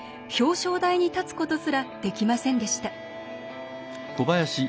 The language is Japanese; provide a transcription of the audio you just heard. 表彰台に立つことすらできませんでした。